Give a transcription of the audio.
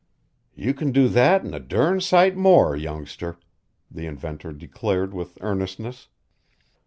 "You can do that an' a durn sight more, youngster," the inventor declared with earnestness.